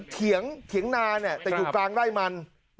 เถียงนาเนี่ยแต่อยู่กลางไร่มัน